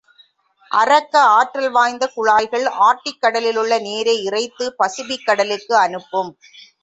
அரக்க ஆற்றல் வாய்ந்த குழாய்கள் ஆர்க்டிக் கடலிலுள்ள நீரை இறைத்துப் பசிபிக் கடலுக்கு அனுப்பும்.